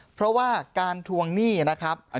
เพราะว่าการทวงหนี้นะครับ